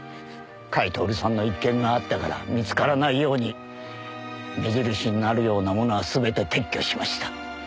甲斐享さんの一件があったから見つからないように目印になるようなものはすべて撤去しました。